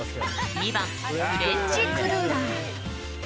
２、フレンチクルーラー。